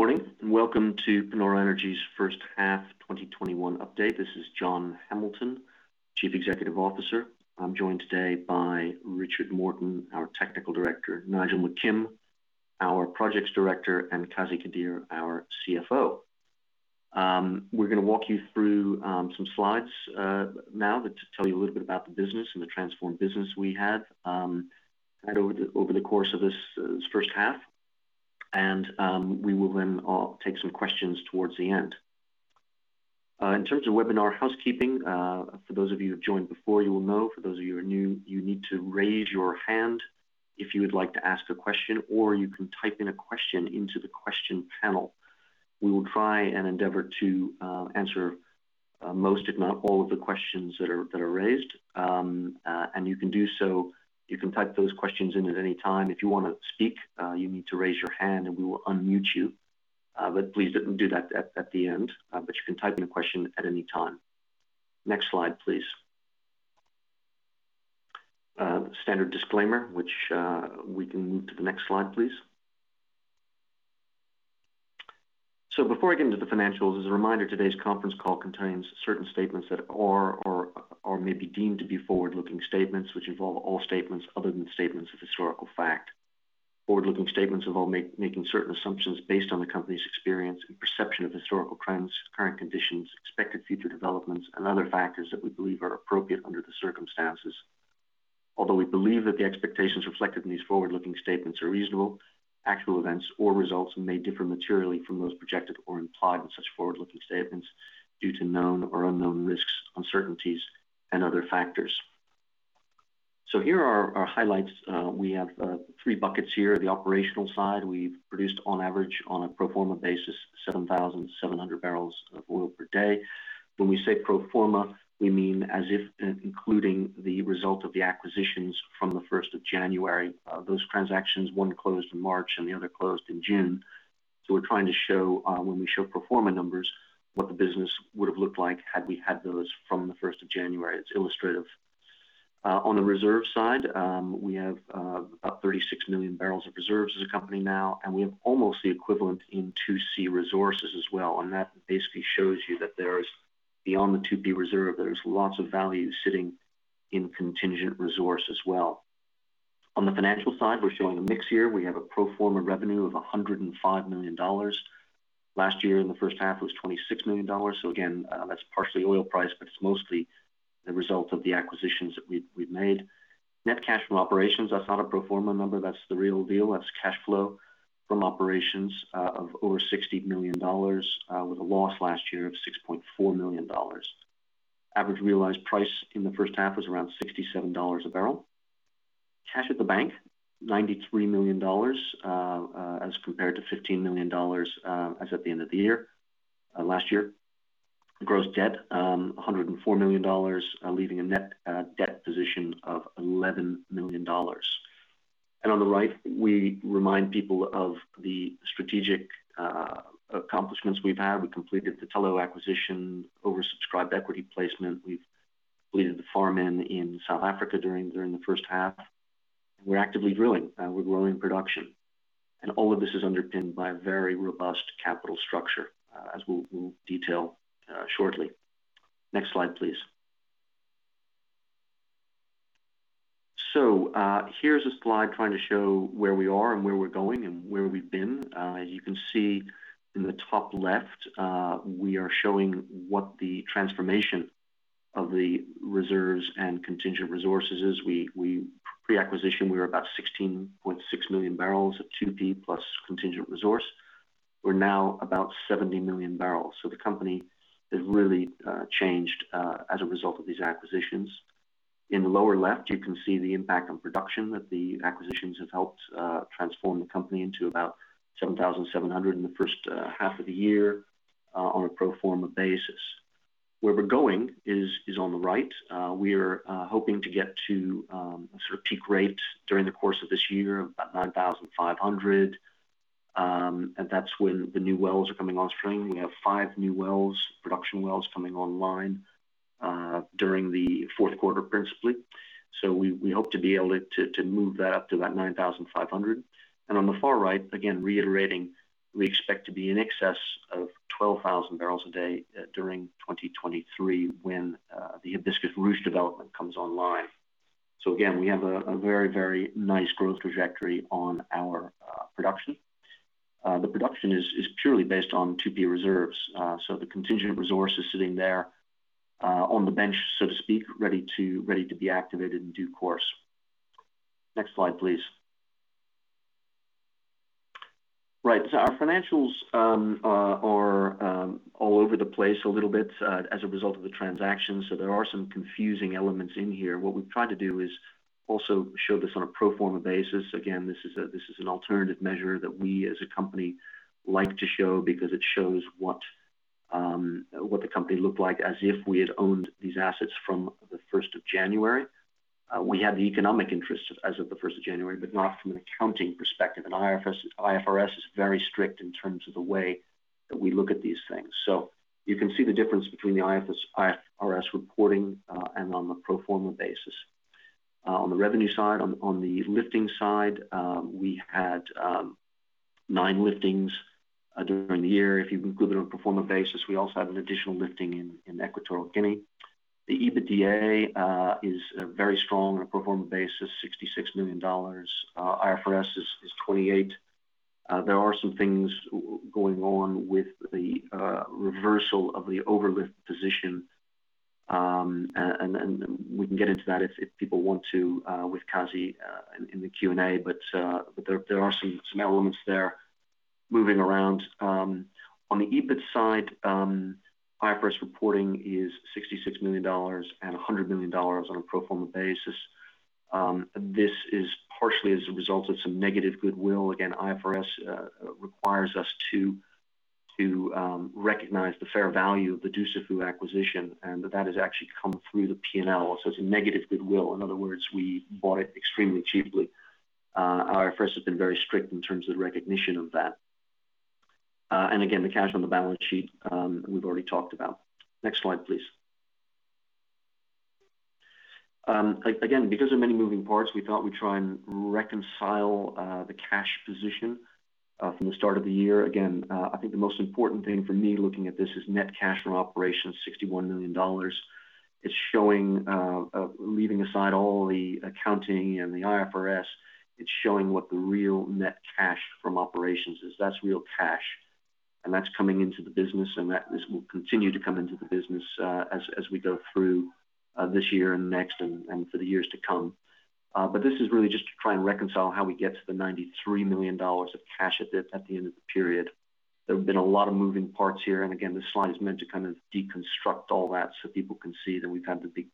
Good morning, and welcome to Panoro Energy's First Half 2021 Update. This is John Hamilton, Chief Executive Officer. I'm joined today by Richard Morton, our Technical Director, Nigel McKim, our Projects Director, and Qazi Qadeer, our CFO. We're going to walk you through some slides now to tell you a little bit about the business and the transformed business we have had over the course of this first half. We will then take some questions towards the end. In terms of webinar housekeeping, for those of you who've joined before, you will know, for those of you who are new, you need to raise your hand if you would like to ask a question, or you can type in a question into the question panel. We will try and endeavor to answer most, if not all, of the questions that are raised. You can do so, you can type those questions in at any time. If you want to speak, you need to raise your hand and we will unmute you. Please do that at the end. You can type in a question at any time. Next slide, please. Standard disclaimer, which we can move to the next slide, please. Before I get into the financials, as a reminder, today's conference call contains certain statements that are or may be deemed to be forward-looking statements, which involve all statements other than statements of historical fact. Forward-looking statements involve making certain assumptions based on the company's experience and perception of historical trends, current conditions, expected future developments, and other factors that we believe are appropriate under the circumstances. Although we believe that the expectations reflected in these forward-looking statements are reasonable, actual events or results may differ materially from those projected or implied in such forward-looking statements due to known or unknown risks, uncertainties, and other factors. Here are our highlights. We have three buckets here. The operational side, we've produced on average, on a pro forma basis, 7,700 barrels of oil per day. When we say pro forma, we mean as if including the result of the acquisitions from the January 1st. Those transactions, one closed in March and the other closed in June. We're trying to show, when we show pro forma numbers, what the business would have looked like had we had those from the January 1st. It's illustrative. On the reserve side, we have about 36 million barrels of reserves as a company now, and we have almost the equivalent in 2C resources as well. That basically shows you that there is, beyond the 2P reserve, there is lots of value sitting in contingent resource as well. On the financial side, we're showing a mix here. We have a pro forma revenue of $105 million. Last year in the first half was $26 million. Again, that's partially oil price, but it's mostly the result of the acquisitions that we've made. Net cash from operations, that's not a pro forma number, that's the real deal. That's cash flow from operations of over $60 million, with a loss last year of $6.4 million. Average realized price in the first half was around $67 a barrel. Cash at the bank, $93 million, as compared to $15 million as at the end of the year, last year. Gross debt, $104 million, leaving a net debt position of $11 million. On the right, we remind people of the strategic accomplishments we've had. We completed the Tullow acquisition oversubscribed equity placement. We've completed the farm in South Africa during the first half. We're actively drilling. We're growing production. All of this is underpinned by a very robust capital structure, as we'll detail shortly. Next slide, please. Here's a slide trying to show where we are and where we're going and where we've been. You can see in the top left, we are showing what the transformation of the reserves and contingent resources is. Pre-acquisition, we were about 16.6 million barrels of 2P plus contingent resource. We're now about 70 million barrels. The company has really changed as a result of these acquisitions. In the lower left, you can see the impact on production, that the acquisitions have helped transform the company into about 7,700 in the first half of the year on a pro forma basis. Where we're going is on the right. We're hoping to get to a sort of peak rate during the course of this year of about 9,500. That's when the new wells are coming on stream. We have five new wells, production wells, coming online during the fourth quarter, principally. We hope to be able to move that up to that 9,500. On the far right, again, reiterating, we expect to be in excess of 12,000 barrels a day during 2023 when the Hibiscus Ruche development comes online. Again, we have a very nice growth trajectory on our production. The production is purely based on 2P reserves. The contingent resource is sitting there on the bench, so to speak, ready to be activated in due course. Next slide, please. Right. Our financials are all over the place a little bit as a result of the transaction, so there are some confusing elements in here. What we've tried to do is also show this on a pro forma basis. Again, this is an alternative measure that we as a company like to show because it shows what the company looked like as if we had owned these assets from the January 1st. We had the economic interest as of the January 1st, but not from an accounting perspective. IFRS is very strict in terms of the way that we look at these things. You can see the difference between the IFRS reporting and on the pro forma basis. On the revenue side, on the lifting side, we had nine liftings during the year. If you include it on a pro forma basis, we also had an additional lifting in Equatorial Guinea. The EBITDA is very strong on a pro forma basis, $66 million. IFRS is $28. There are some things going on with the reversal of the overlift position, and we can get into that if people want to with Qazi in the Q&A. There are some elements there moving around. On the EBIT side, IFRS reporting is $66 million and $100 million on a pro forma basis. This is partially as a result of some negative goodwill. Again, IFRS requires us to recognize the fair value of the Dussafu acquisition, and that has actually come through the P&L. It's a negative goodwill. In other words, we bought it extremely cheaply. IFRS has been very strict in terms of recognition of that. Again, the cash on the balance sheet we've already talked about. Next slide, please. Again, because of many moving parts, we thought we'd try and reconcile the cash position from the start of the year. Again, I think the most important thing for me looking at this is net cash from operations, $61 million. Leaving aside all the accounting and the IFRS, it's showing what the real net cash from operations is. That's real cash, and that's coming into the business, and this will continue to come into the business as we go through this year and next, and for the years to come. This is really just to try and reconcile how we get to the $93 million of cash at the end of the period. There have been a lot of moving parts here, and again, this slide is meant to kind of deconstruct all that so people can see that we've had the big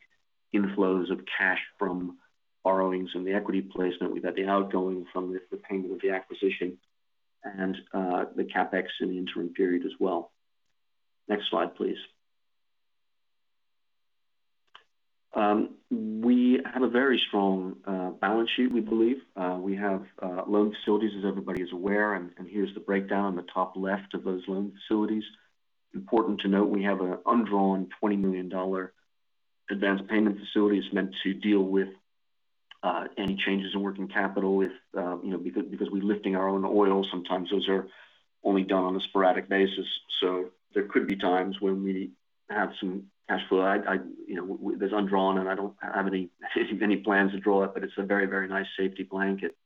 inflows of cash from borrowings and the equity placement. We've had the outgoing from the payment of the acquisition and the CapEx in the interim period as well. Next slide, please. We have a very strong balance sheet, we believe. We have loan facilities, as everybody is aware, and here's the breakdown on the top left of those loan facilities. Important to note, we have an undrawn $20 million advanced payment facility that's meant to deal with any changes in working capital because we're lifting our own oil. Sometimes those are only done on a sporadic basis. There could be times when we have some cash flow. That's undrawn, and I don't have any plans to draw it, but it's a very nice safety blanket.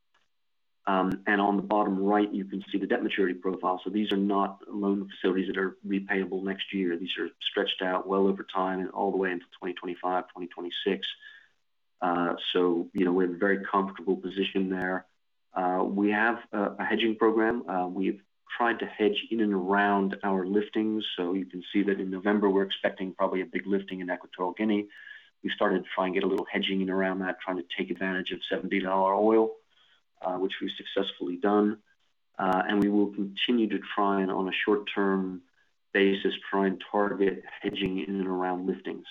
On the bottom right, you can see the debt maturity profile. These are not loan facilities that are repayable next year. These are stretched out well over time and all the way into 2025, 2026. We're in a very comfortable position there. We have a hedging program. We've tried to hedge in and around our liftings. You can see that in November, we're expecting probably a big lifting in Equatorial Guinea. We started to try and get a little hedging in around that, trying to take advantage of $70 oil, which we've successfully done. We will continue to try and, on a short-term basis, try and target hedging in and around liftings.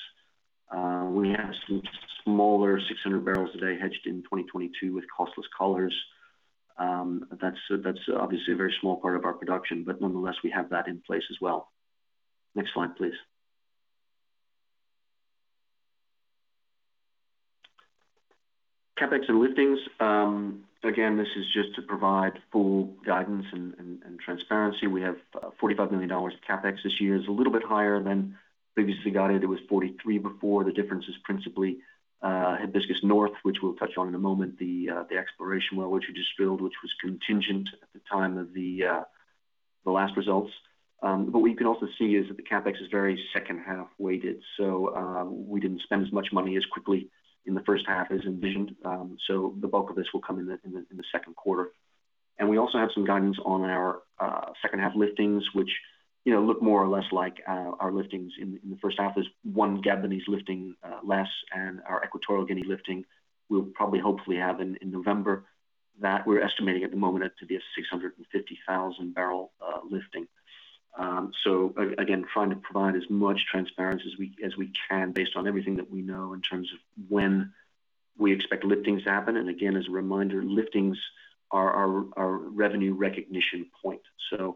We have some smaller 600 barrels a day hedged in 2022 with costless collars. That's obviously a very small part of our production, but nonetheless, we have that in place as well. Next slide, please. CapEx and liftings. Again, this is just to provide full guidance and transparency. We have $45 million of CapEx this year. It's a little bit higher than previously guided. It was 43 before. The difference is principally Hibiscus North, which we'll touch on in a moment, the exploration well, which we just drilled, which was contingent at the time of the last results. What you can also see is that the CapEx is very second half weighted. We didn't spend as much money as quickly in the first half as envisioned. The bulk of this will come in the second quarter. We also have some guidance on our second half liftings, which look more or less like our liftings in the first half. There's one Gabonese lifting less, and our Equatorial Guinea lifting, we'll probably hopefully have in November. That we're estimating at the moment to be a 650,000-barrel lifting. Again, trying to provide as much transparency as we can based on everything that we know in terms of when we expect liftings to happen. Again, as a reminder, liftings are our revenue recognition point. On the daily,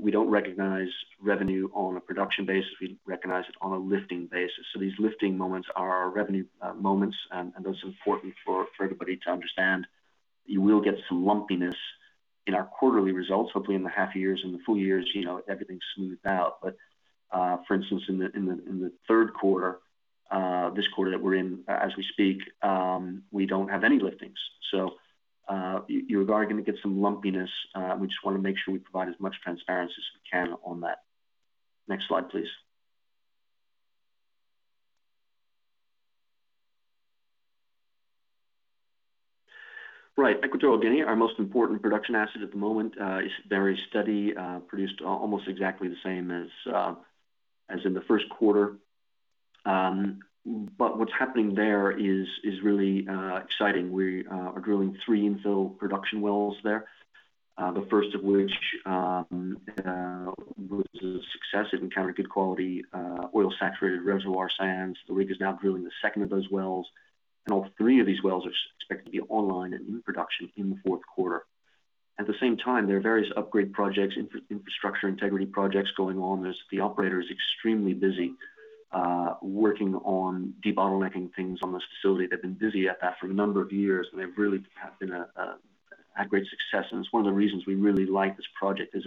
we don't recognize revenue on a production basis, we recognize it on a lifting basis. These lifting moments are our revenue moments, and that's important for everybody to understand. You will get some lumpiness in our quarterly results. Hopefully, in the half years and the full years, everything's smoothed out. For instance, in the third quarter, this quarter that we're in as we speak, we don't have any liftings. You are going to get some lumpiness. We just want to make sure we provide as much transparency as we can on that. Next slide, please. Right. Equatorial Guinea, our most important production asset at the moment, is very steady, produced almost exactly the same as in the first quarter. What's happening there is really exciting. We are drilling three infill production wells there. The first of which was a success. It encountered good quality oil-saturated reservoir sands. The rig is now drilling the second of those wells, and all three of these wells are expected to be online and in production in the fourth quarter. At the same time, there are various upgrade projects, infrastructure integrity projects going on. The operator is extremely busy working on de-bottlenecking things on this facility. They've been busy at that for a number of years, and they really have been a great success. It's one of the reasons we really like this project, is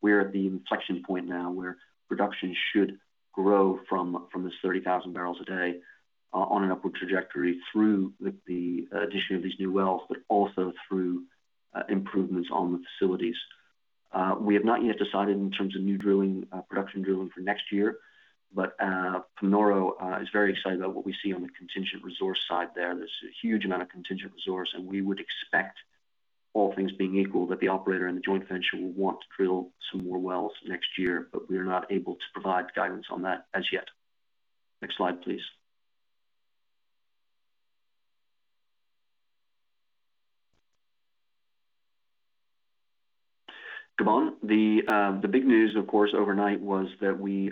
we're at the inflection point now where production should grow from this 30,000 barrels a day on an upward trajectory through the addition of these new wells, but also through improvements on the facilities. We have not yet decided in terms of new production drilling for next year, but Panoro is very excited about what we see on the contingent resource side there. There's a huge amount of contingent resource. We would expect, all things being equal, that the operator and the joint venture will want to drill some more wells next year. We are not able to provide guidance on that as yet. Next slide, please. Gabon. The big news, of course, overnight was that we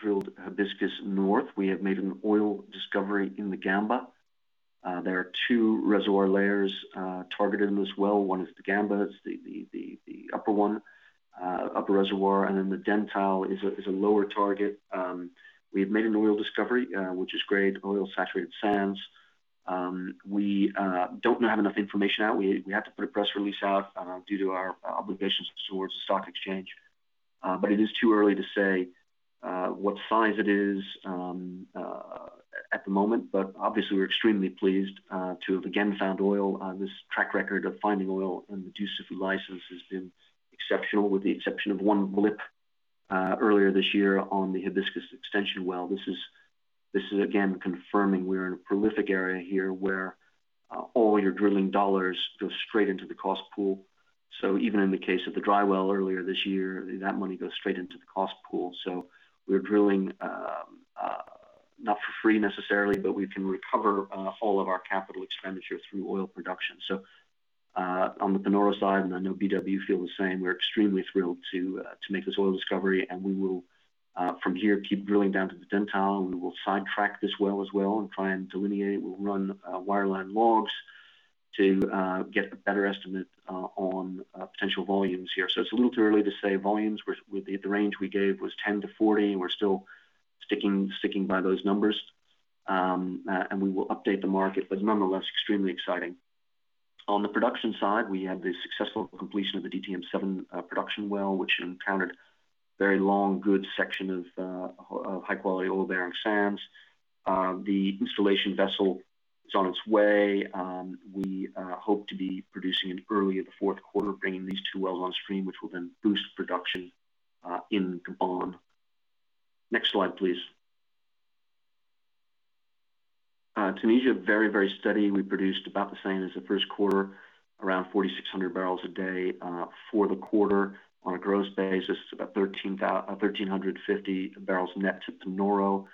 drilled Hibiscus North. We have made an oil discovery in the Gamba. There are two reservoir layers targeted in this well. One is the Gamba, it's the upper one, upper reservoir, and then the Dentale is a lower target. We have made an oil discovery, which is great, oil saturated sands. We don't have enough information out. We have to put a press release out due to our obligations towards the stock exchange. It is too early to say what size it is at the moment. Obviously, we're extremely pleased to have again found oil. This track record of finding oil on the Dussafu license has been exceptional, with the exception of one blip earlier this year on the Hibiscus extension well. This is again confirming we're in a prolific area here where all your drilling dollars go straight into the cost pool. Even in the case of the dry well earlier this year, that money goes straight into the cost pool. We're drilling, not for free necessarily, but we can recover all of our capital expenditure through oil production. On the Panoro side, and I know BW feel the same, we're extremely thrilled to make this oil discovery and we will from here keep drilling down to the Dentale and we will sidetrack this well as well and try and delineate. We'll run wireline logs to get a better estimate on potential volumes here. It's a little too early to say volumes. The range we gave was 10-40, and we're still sticking by those numbers. We will update the market, but nonetheless, extremely exciting. On the production side, we had the successful completion of the DTM-07 production well, which encountered very long, good section of high-quality oil-bearing sands. The installation vessel is on its way. We hope to be producing early in the fourth quarter, bringing these two wells on stream, which will then boost production in Gabon. Next slide, please. Tunisia, very steady. We produced about the same as the first quarter, around 4,600 barrels a day for the quarter. On a gross basis, it's about 1,350 barrels net to Panoro.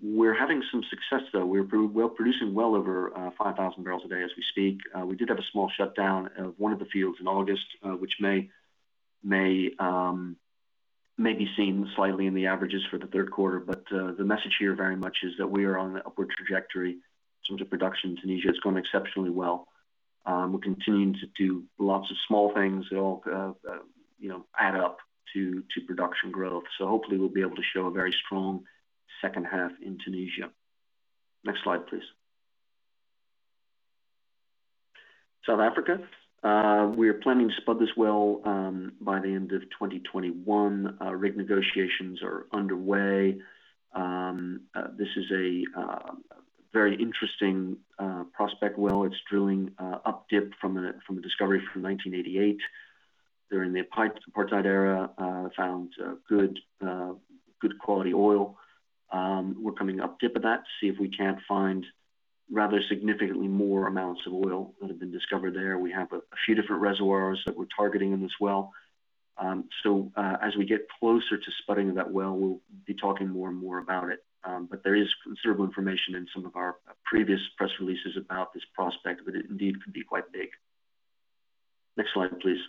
We're having some success, though. We're producing well over 5,000 barrels a day as we speak. We did have a small shutdown of one of the fields in August which may be seen slightly in the averages for the third quarter. The message here very much is that we are on the upward trajectory in terms of production in Tunisia. It's going exceptionally well. We're continuing to do lots of small things that all add up to production growth. Hopefully we'll be able to show a very strong second half in Tunisia. Next slide, please. South Africa. We are planning to spud this well by the end of 2021. Rig negotiations are underway. This is a very interesting prospect well. It's drilling up-dip from a discovery from 1988 during the apartheid era, found good quality oil. We're coming up-dip of that to see if we can't find rather significantly more amounts of oil that have been discovered there. We have a few different reservoirs that we're targeting in this well. As we get closer to spudding that well, we'll be talking more and more about it. There is considerable information in some of our previous press releases about this prospect that it indeed could be quite big. Next slide, please.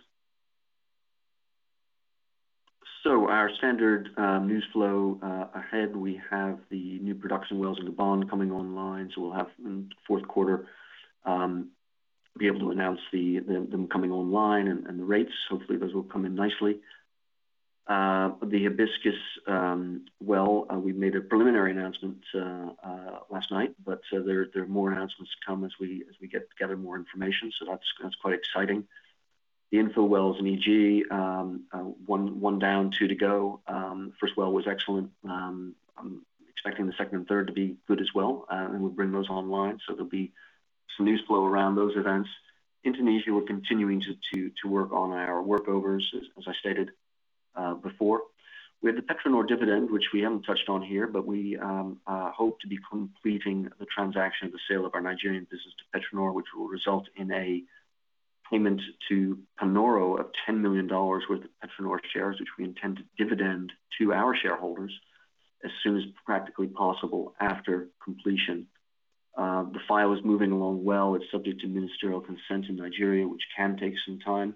Our standard news flow. Ahead, we have the new production wells in Gabon coming online, so we'll, fourth quarter, be able to announce them coming online and the rates. Hopefully, those will come in nicely. The Hibiscus well, we made a preliminary announcement last night, but there are more announcements to come as we gather more information. That's quite exciting. The infill wells in E.G., one down, two to go. First well was excellent. I'm expecting the second and third to be good as well, and we'll bring those online. There'll be some news flow around those events. In Tunisia, we're continuing to work on our workovers, as I stated before. We have the PetroNor dividend, which we haven't touched on here, but we hope to be completing the transaction of the sale of our Nigerian business to PetroNor, which will result in a payment to Panoro of $10 million worth of PetroNor shares, which we intend to dividend to our shareholders as soon as practically possible after completion. The file is moving along well. It's subject to ministerial consent in Nigeria, which can take some time.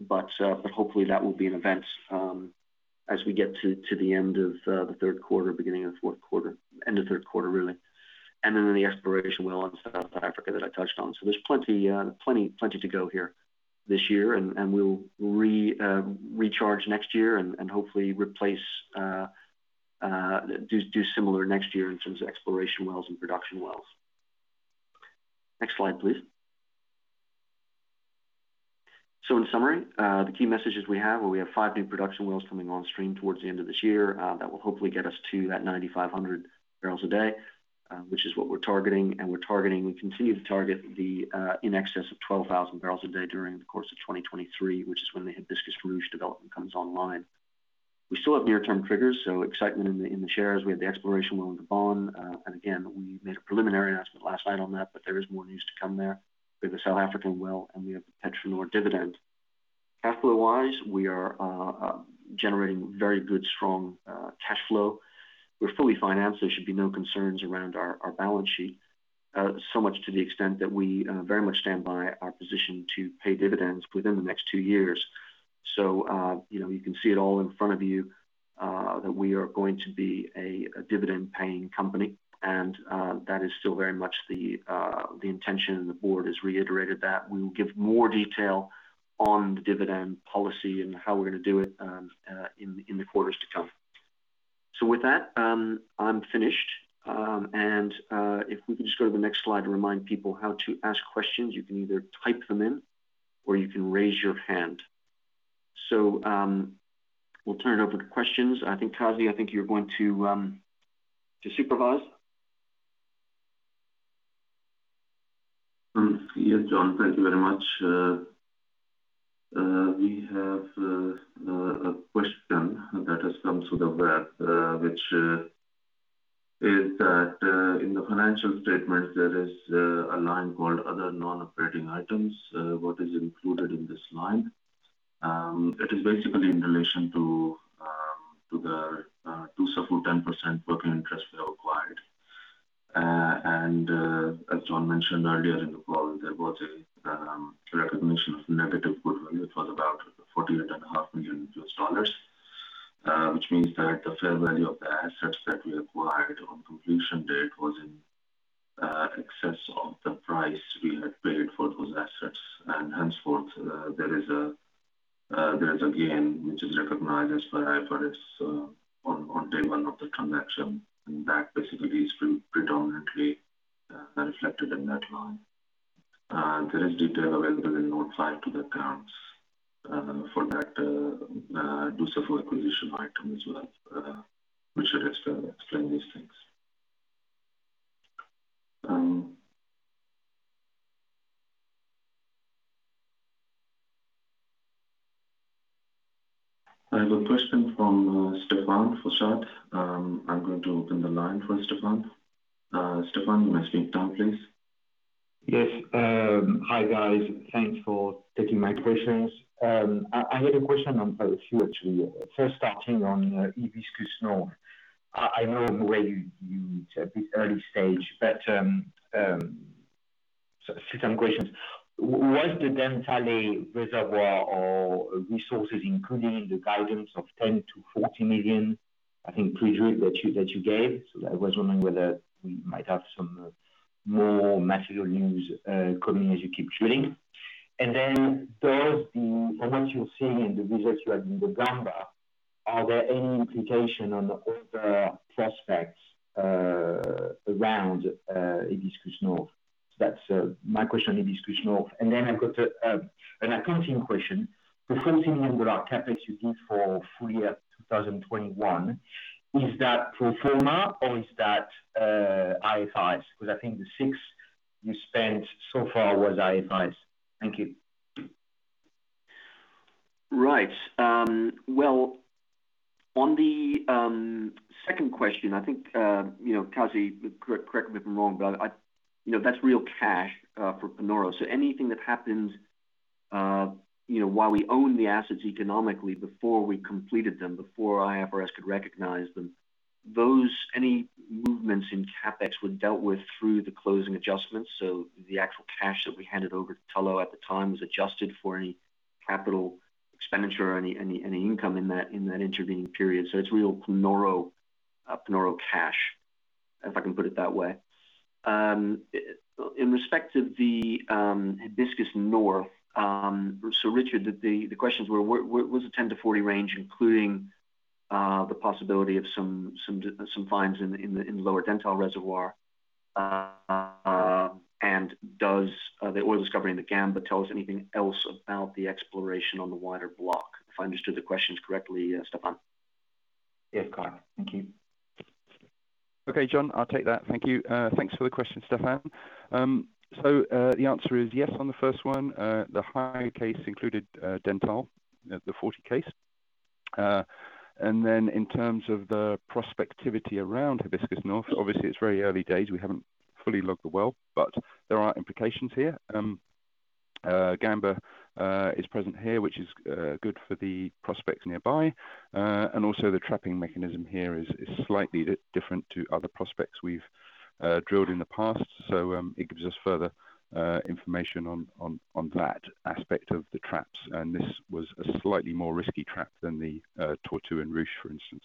But hopefully that will be an event as we get to the end of the third quarter, beginning of the fourth quarter. End of third quarter, really. The exploration well in South Africa that I touched on. There's plenty to go here this year, and we'll recharge next year and hopefully do similar next year in terms of exploration wells and production wells. Next slide, please. In summary, the key messages we have, where we have five new production wells coming on stream towards the end of this year, that will hopefully get us to that 9,500 barrels a day, which is what we're targeting. We continue to target the in excess of 12,000 barrels a day during the course of 2023, which is when the Hibiscus Ruche development comes online. We still have near-term triggers, so excitement in the shares. We have the exploration well in Gabon. Again, we made a preliminary announcement last night on that, but there is more news to come there. We have a South African well, and we have the potential for more dividend. Cash flow wise, we are generating very good, strong cash flow. We're fully financed. There should be no concerns around our balance sheet. Much to the extent that we very much stand by our position to pay dividends within the next two years. You can see it all in front of you, that we are going to be a dividend-paying company, and that is still very much the intention, and the board has reiterated that. We will give more detail on the dividend policy and how we're going to do it in the quarters to come. With that, I'm finished. If we can just go to the next slide to remind people how to ask questions. You can either type them in or you can raise your hand. We'll turn it over to questions. I think, Qazi, I think you're going to supervise. Yes, John, thank you very much. We have a question that has come through the web, which is that in the financial statements, there is a line called other non-operating items. What is included in this line? It is basically in relation to the Dussafu 10% working interest we acquired. As John mentioned earlier in the call, there was a recognition of negative Hibiscus Ruche. I know, earlier, you said it's early stage, but some questions. Was the Dentale reservoir or resources included in the guidance of $10 million to $40 million, I think, pre-drill that you gave? I was wondering whether we might have some more material news coming as you keep drilling. From what you're seeing in the results you had in the Gamba, are there any implication on the other prospects around Hibiscus Ruche? That's my question on Hibiscus Ruche. I've got an accounting question. The $14 million CapEx you give for full year 2021, is that pro forma or is that IFRS? I think the $6 you spent so far was IFRS. Thank you. Well, on the second question, I think, Qazi, correct me if I'm wrong, but that's real cash for Panoro. Anything that happens while we own the assets economically before we completed them, before IFRS could recognize them, any movements in CapEx were dealt with through the closing adjustments. The actual cash that we handed over to Tullow at the time was adjusted for any capital expenditure or any income in that intervening period. It's real Panoro cash, if I can put it that way. In respect of the Hibiscus North, so Richard, the questions were, was the 10-40 range including the possibility of some finds in the lower Dentale reservoir? Does the oil discovery in the Gamba tell us anything else about the exploration on the wider block? If I understood the questions correctly, Stephane. Yes, correct. Thank you. Okay, John, I'll take that. Thank you. Thanks for the question, Stephane. The answer is yes on the first one. The high case included Dentale, the 40 case. In terms of the prospectivity around Hibiscus North, obviously it's very early days. We haven't fully logged the well, there are implications here. Gamba is present here, which is good for the prospects nearby. Also the trapping mechanism here is slightly different to other prospects we've drilled in the past. It gives us further information on that aspect of the traps. This was a slightly more risky trap than the Tortue and Ruche, for instance.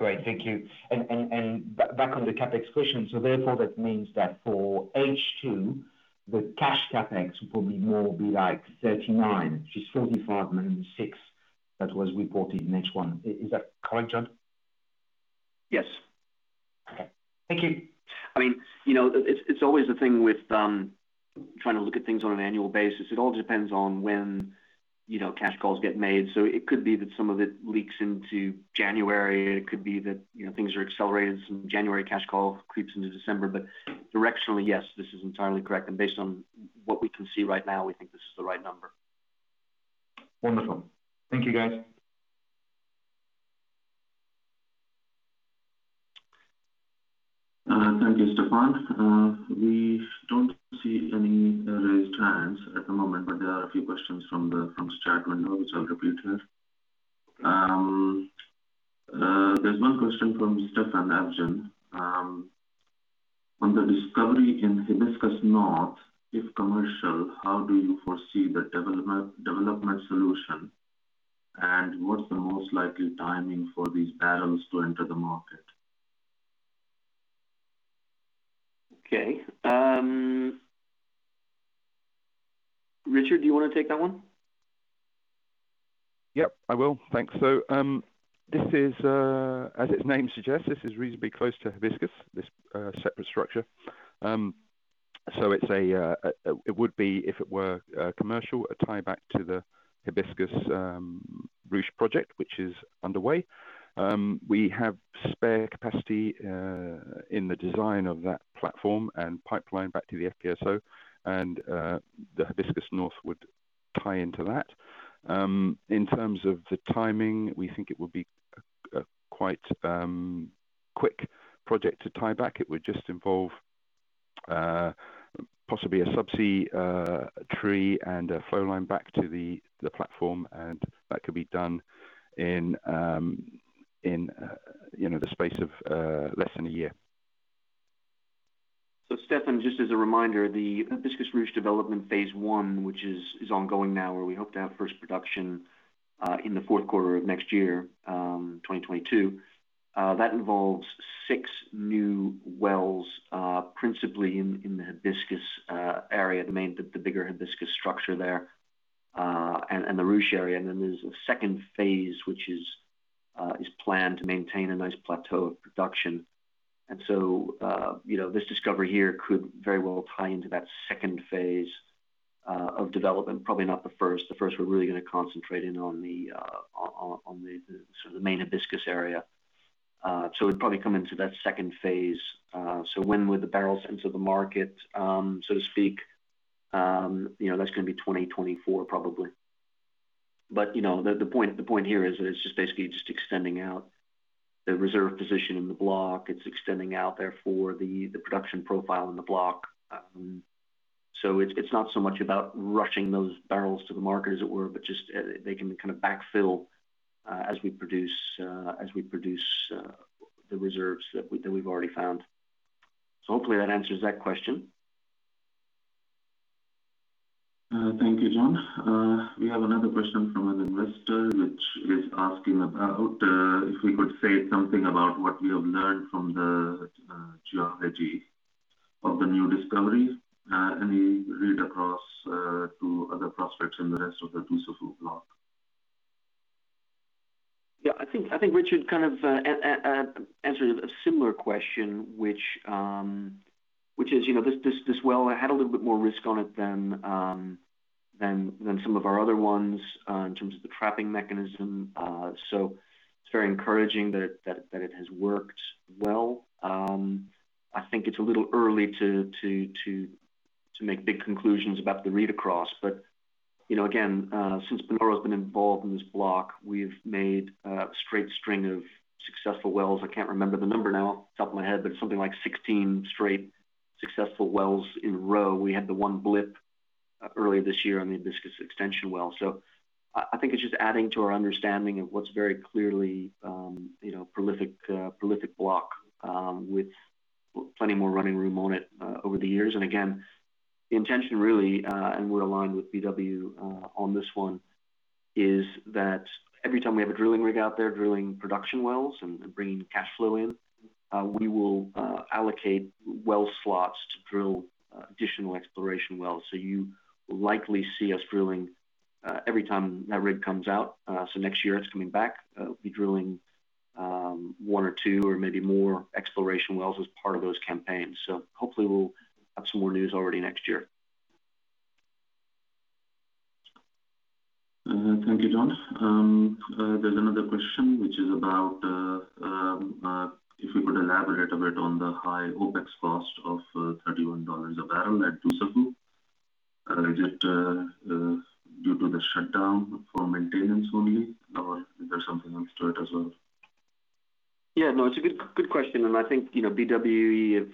Great. Thank you. Back on the CapEx question, so therefore that means that for H2, the cash CapEx will be more like $39 million-$45 million six that was reported in H1. Is that correct, John? Yes. Okay. Thank you. It's always a thing with trying to look at things on an annual basis. It all depends on when cash calls get made. It could be that some of it leaks into January. It could be that things are accelerated, some January cash call creeps into December. Directionally, yes, this is entirely correct. Based on what we can see right now, we think this is the right number. Wonderful. Thank you, guys. Thank you, Stephane. We don't see any raised hands at the moment, but there are a few questions from the chat window, which I'll repeat here. There's one question from Stephane, John. On the discovery in Hibiscus North, if commercial, how do you foresee the development solution? And what's the most likely timing for these barrels to enter the market? Okay. Richard, do you want to take that one? Yep, I will. Thanks. This is, as its name suggests, this is reasonably close to Hibiscus, this separate structure. It would be, if it were commercial, a tie back to the Hibiscus Ruche project, which is underway. We have spare capacity in the design of that platform and pipeline back to the FPSO, and the Hibiscus North would tie into that. In terms of the timing, we think it would be a quite quick project to tie back. It would just involve possibly a subsea tree and a flow line back to the platform, and that could be done in the space of less than a year. Stephane, just as a reminder, the Hibiscus Ruche development phase I, which is ongoing now, where we hope to have first production in the fourth quarter of next year, 2022. That involves six new wells, principally in the Hibiscus area, the bigger Hibiscus structure there, and the Ruche area. Then there's a phase II, which is planned to maintain a nice plateau of production. This discovery here could very well tie into that phase II of development. Probably not the first. The first we're really going to concentrate in on the sort of the main Hibiscus area. It would probably come into that phase II. When would the barrels enter the market, so to speak? That's going to be 2024 probably. The point here is that it's just basically just extending out the reserve position in the block. It's extending out therefore the production profile in the block. It's not so much about rushing those barrels to the market, as it were, but just they can kind of backfill as we produce the reserves that we've already found. Hopefully that answers that question. Thank you, John. We have another question from an investor which is asking about if we could say something about what we have learned from the geography of the new discoveries. Any read-across to other prospects in the rest of the Dussafu block? I think Richard kind of answered a similar question, which is this well had a little bit more risk on it than some of our other ones in terms of the trapping mechanism. It's very encouraging that it has worked well. I think it's a little early to make big conclusions about the read-across. Again, since Panoro's been involved in this block, we've made a straight string of successful wells. I can't remember the number now off the top of my head, but it's something like 16 straight successful wells in a row. We had the one blip earlier this year on the Hibiscus extension well. I think it's just adding to our understanding of what's very clearly prolific block with plenty more running room on it over the years. Again, the intention really, and we're aligned with BWE on this one, is that every time we have a drilling rig out there drilling production wells and bringing cash flow in, we will allocate well slots to drill additional exploration wells. You will likely see us drilling every time that rig comes out. Next year it's coming back. It'll be drilling one or two or maybe more exploration wells as part of those campaigns. Hopefully we'll have some more news already next year. Thank you, John. There's another question which is about if you could elaborate a bit on the high OpEx cost of $31 a barrel at Dussafu. Is it due to the shutdown for maintenance only, or is there something else to it as well? It's a good question. I think BWE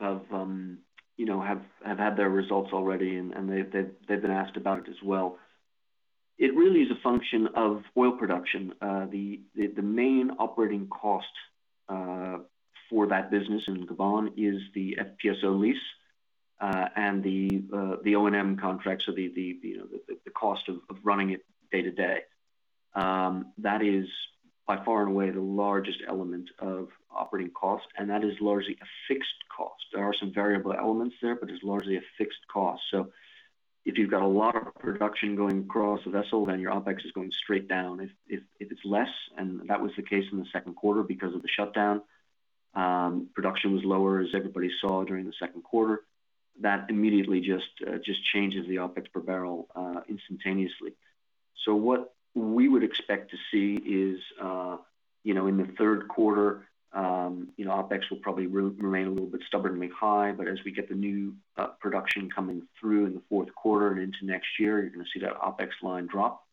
have had their results already, and they've been asked about it as well. It really is a function of oil production. The main operating cost for that business in Gabon is the FPSO lease and the O&M contracts, so the cost of running it day to day. That is by far and away the largest element of operating cost, and that is largely a fixed cost. There are some variable elements there, but it's largely a fixed cost. If you've got a lot of production going across a vessel, then your OpEx is going straight down. If it's less, and that was the case in the second quarter because of the shutdown, production was lower, as everybody saw during the second quarter. That immediately just changes the OpEx per barrel instantaneously. What we would expect to see is, in the third quarter, OpEx will probably remain a little bit stubbornly high. As we get the new production coming through in the fourth quarter and into next year, you're going to see that OpEx line drop.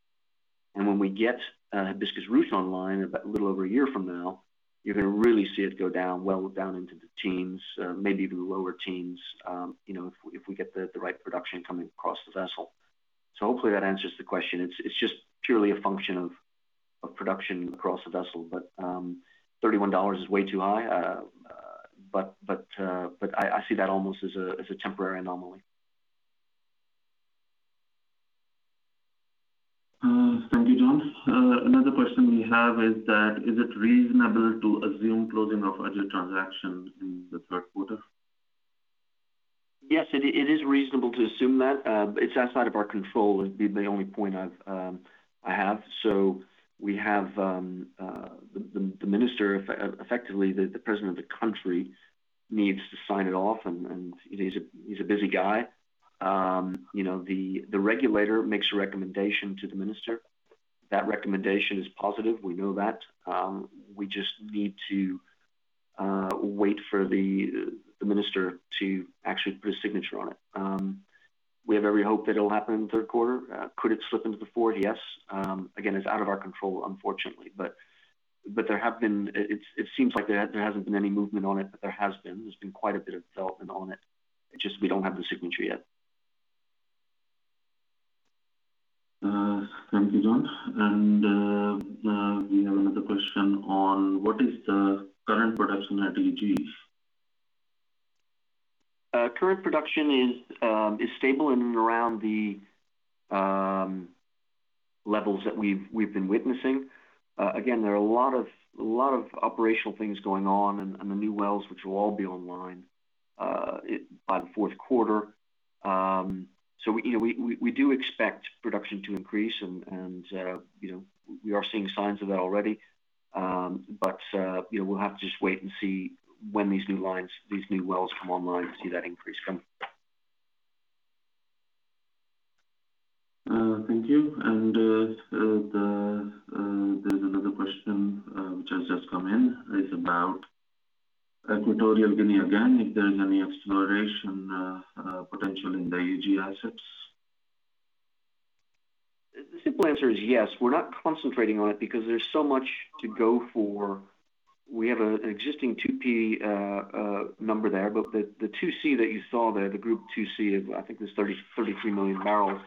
When we get Hibiscus Ruche online, about a little over a year from now, you're going to really see it go down, well down into the teens, maybe even the lower teens, if we get the right production coming across the vessel. Hopefully that answers the question. It's just purely a function of production across the vessel. $31 is way too high, but I see that almost as a temporary anomaly. Thank you, John. Another question we have is that is it reasonable to assume closing of other transactions in the third quarter? Yes, it is reasonable to assume that. It's outside of our control would be my only point I have. We have the minister, effectively, the president of the country, needs to sign it off, and he's a busy guy. The regulator makes a recommendation to the minister. That recommendation is positive, we know that. We just need to wait for the minister to actually put a signature on it. We have every hope that it'll happen in the third quarter. Could it slip into the fourth? Yes. Again, it's out of our control, unfortunately. It seems like there hasn't been any movement on it, but there has been. There's been quite a bit of development on it. It's just we don't have the signature yet. Thank you, John. We have another question on what is the current production at E.G. Current production is stable and around the levels that we've been witnessing. Again, there are a lot of operational things going on and the new wells, which will all be online by the fourth quarter. We do expect production to increase, and we are seeing signs of that already. We'll have to just wait and see when these new lines, these new wells come online to see that increase come. Thank you. There's another question which has just come in. It's about Equatorial Guinea again, if there is any exploration potential in the E.G. assets. The simple answer is yes. We're not concentrating on it because there's so much to go for. We have an existing 2P number there. The 2C that you saw there, the group 2C of I think it's 33 million barrels.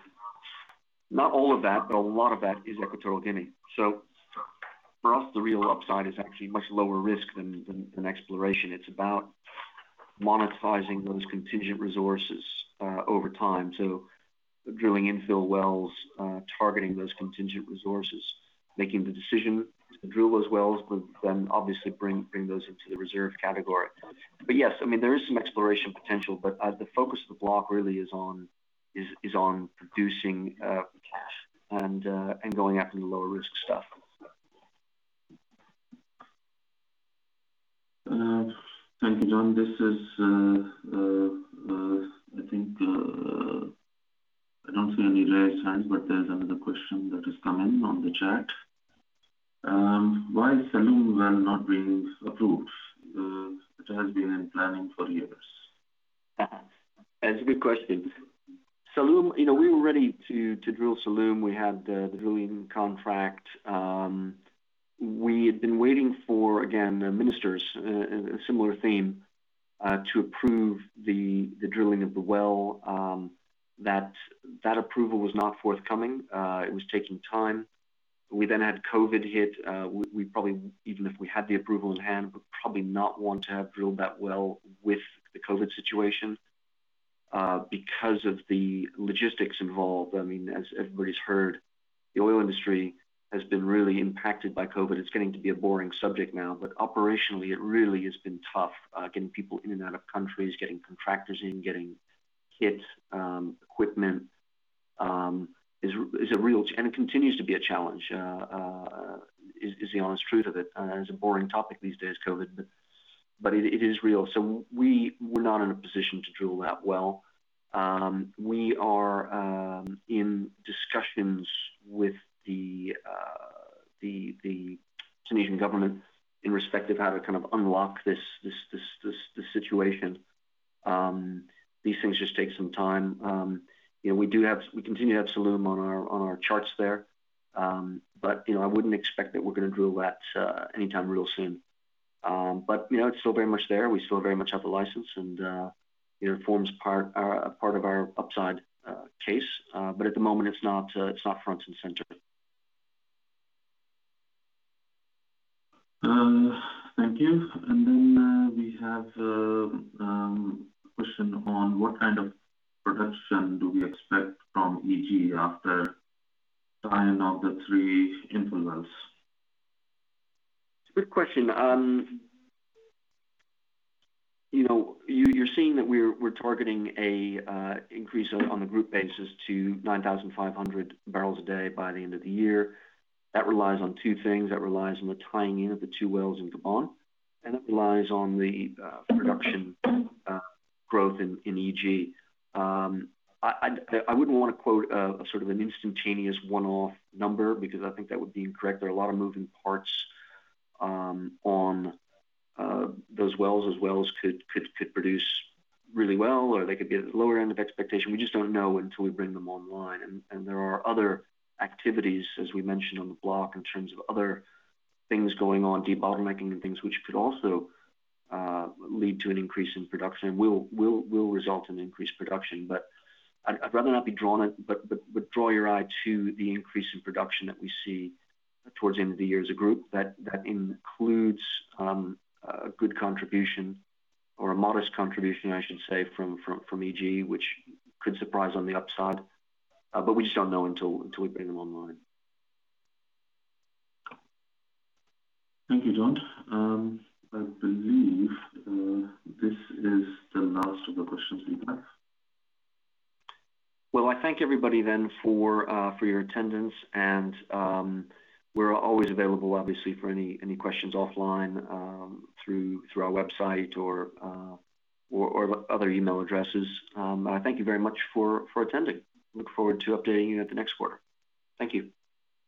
Not all of that, but a lot of that is Equatorial Guinea. For us, the real upside is actually much lower risk than exploration. It's about monetizing those contingent resources over time. Drilling infill wells, targeting those contingent resources, making the decision to drill those wells would then obviously bring those into the reserve category. Yes, there is some exploration potential, but the focus of the block really is on producing cash and going after the lower-risk stuff. Thank you, John. I don't see any raised hands, but there's another question that has come in on the chat. Why is Salloum well not being approved? It has been in planning for years. That's a good question. We were ready to drill Salloum. We had the drilling contract. We had been waiting for, again, the ministers, a similar theme, to approve the drilling of the well. That approval was not forthcoming. It was taking time. We had COVID hit. Even if we had the approval in hand, would probably not want to have drilled that well with the COVID situation because of the logistics involved. As everybody's heard, the oil industry has been really impacted by COVID. It's getting to be a boring subject now, operationally, it really has been tough getting people in and out of countries, getting contractors in, getting kit, equipment, and it continues to be a challenge, is the honest truth of it. It's a boring topic these days, COVID, it is real. We were not in a position to drill that well. We are in discussions with the Tunisian government in respect of how to kind of unlock this situation. These things just take some time. We continue to have Salloum on our charts there, but I wouldn't expect that we're going to drill that anytime real soon. It's still very much there. We still very much have the license, and it forms a part of our upside case. At the moment, it's not front and center. Thank you. We have a question on what kind of production do we expect from E.G. after tying up the three infill wells? It's a good question. You're seeing that we're targeting an increase on the group basis to 9,500 barrels a day by the end of the year. That relies on two things. That relies on the tying in of the two wells in Gabon, and it relies on the production growth in E.G. I wouldn't want to quote a sort of an instantaneous one-off number because I think that would be incorrect. There are a lot of moving parts on those wells. Those wells could produce really well, or they could be at the lower end of expectation. We just don't know until we bring them online. There are other activities, as we mentioned on the block, in terms of other things going on, debottlenecking and things which could also lead to an increase in production and will result in increased production. I'd rather not be drawn on it, but draw your eye to the increase in production that we see towards the end of the year as a group that includes a good contribution or a modest contribution, I should say from E.G., which could surprise on the upside. We just don't know until we bring them online. Thank you, John. I believe this is the last of the questions we have. Well, I thank everybody then for your attendance and we're always available, obviously, for any questions offline, through our website or other email addresses. Thank you very much for attending. Look forward to updating you at the next quarter. Thank you.